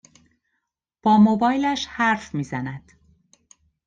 با موبایلش حرف می زند